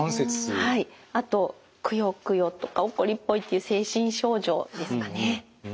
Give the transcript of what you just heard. あとくよくよとか怒りっぽいっていう精神症状ですかね。